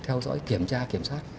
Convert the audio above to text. theo dõi kiểm tra kiểm soát